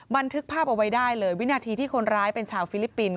บันทึกภาพเอาไว้ได้เลยวินาทีที่คนร้ายเป็นชาวฟิลิปปินส